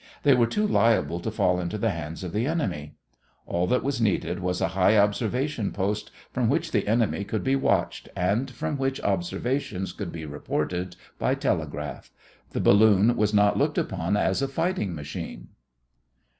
They were too liable to fall into the hands of the enemy. All that was needed was a high observation post from which the enemy could be watched, and from which observations could be reported by telegraph. The balloon was not looked upon as a fighting machine.